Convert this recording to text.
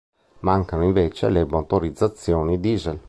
Mancano invece le motorizzazioni diesel.